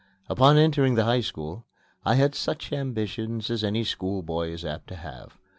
Upon entering the High School I had such ambitions as any schoolboy is apt to have.